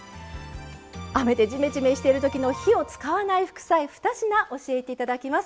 雨でジメジメしてるときの「火を使わない副菜」２品教えていただきます。